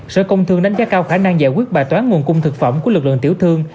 sở công thương đánh giá cao khả năng giải quyết bài toán nguồn cung thực phẩm của lực lượng tiểu thương